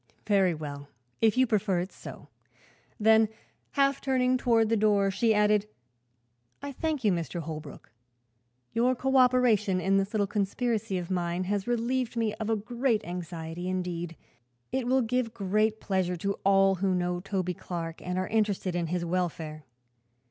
"Very well, if you prefer it so." Then, half turning toward the door, she added: "I thank you, Mr. Holbrook. Your coöperation in this little conspiracy of mine has relieved me of a great anxiety; indeed, it will give pleasure to all who know Toby Clark and are interested in his welfare.